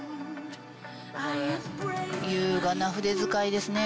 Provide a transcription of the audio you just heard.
優雅な筆遣いですね。